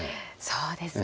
そうですか。